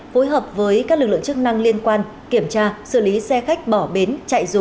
phối hợp với các lực lượng chức năng liên quan kiểm tra xử lý xe khách bỏ bến chạy rùa